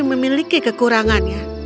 aku masih memiliki kekurangannya